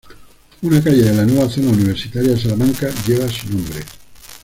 Una calle de la nueva zona universitaria de Salamanca lleva su nombre.